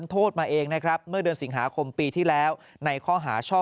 โทษมาเองนะครับเมื่อเดือนสิงหาคมปีที่แล้วในข้อหาช่อ